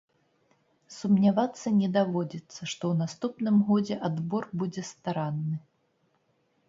Сумнявацца не даводзіцца, што ў наступным годзе адбор будзе старанны.